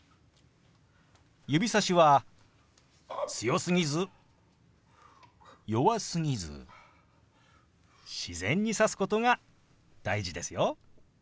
指さしは強すぎず弱すぎず自然に指すことが大事ですよ。